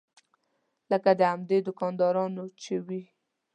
لکه د همدې دوکاندارانو چې وي.